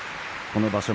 この場所